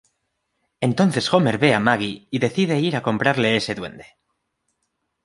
Entonces Homer ve a Maggie y decide ir a comprarle ese duende.